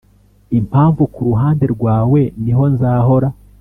impamvu kuruhande rwawe niho nzahora